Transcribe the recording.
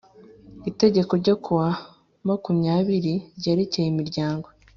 Itegeko ryo kuwa makumyabiri ryerekeye imiryango